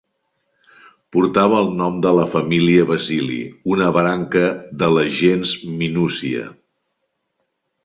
Portava el nom de família Basili, una branca de la gens Minúcia.